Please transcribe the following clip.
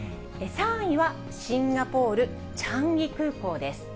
３位はシンガポール・チャンギ空港です。